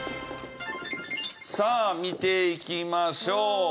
さあ見ていきましょう。